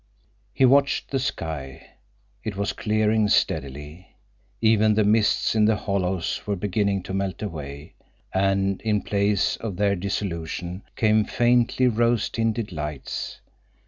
He watched the sky. It was clearing steadily. Even the mists in the hollows were beginning to melt away, and in place of their dissolution came faintly rose tinted lights.